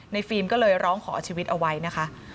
ฟิล์มก็เลยร้องขอชีวิตเอาไว้นะคะ